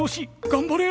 頑張れ！